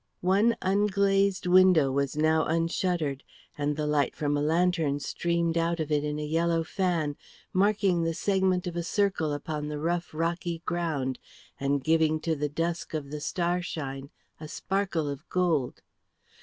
One unglazed window was now unshuttered, and the light from a lantern streamed out of it in a yellow fan, marking the segment of a circle upon the rough rocky ground and giving to the dusk of the starshine a sparkle of gold.